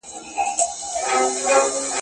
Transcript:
هر يوه يې افسانې بيانولې.